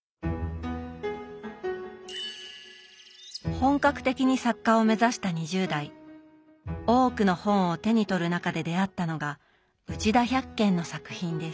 本格的に作家を目指した２０代多くの本を手に取る中で出会ったのが内田百の作品です。